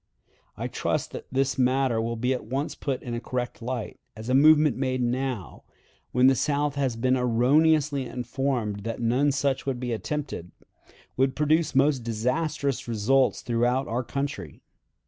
I trust that this matter will be at once put in a correct light, as a movement made now, when the South has been erroneously informed that none such would be attempted, would produce most disastrous results throughout our country.